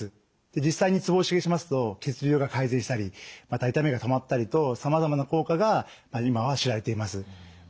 実際にツボを刺激しますと血流が改善したりまた痛みが止まったりとさまざまな効果が今は知られています。